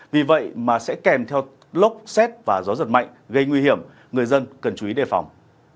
vì vậy mà sẽ kèm theo lốc xét và gió giật mạnh gây nguy hiểm người dân cần chú ý đề phòng